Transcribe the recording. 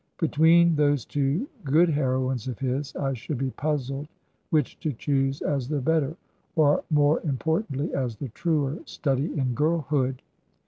Between those two "good "heroines of his, I should be puzzled which to choose as the better, or, more importantly, as the truer study in girlhood.